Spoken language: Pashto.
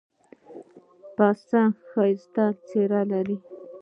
پسه ښایسته څېره لري.